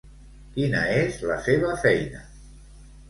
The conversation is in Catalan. Quina és la seva feina?